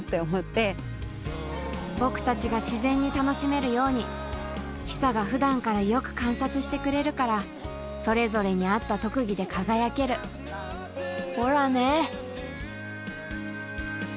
僕たちが自然に楽しめるようにひさが普段からよく観察してくれるからそれぞれに合った特技で輝けるほらね！